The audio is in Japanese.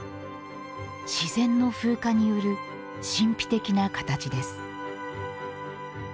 自然の風化による神秘的なかたちです。